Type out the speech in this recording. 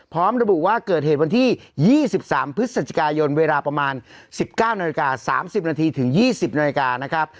พร้อมระบุว่าเกิดเหตุวันที่๒๓พฤศจิกายนเวลาประมาณ๑๙นาฬิกา๓๐นาทีถึง๒๐นาฬิกานะครับ